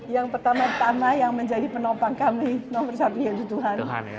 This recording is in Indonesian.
yang pertama tama yang menjadi penopang kami nomor satu yaitu tuhan